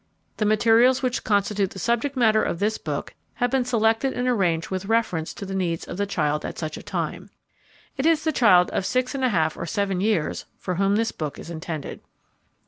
The materials which constitute the subject matter of this book have been selected and arranged with reference to the needs of the child at such a time. It is the child of six and a half or seven years for whom this book is intended.